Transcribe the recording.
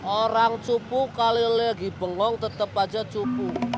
orang cupu kali lagi bengong tetep aja cupu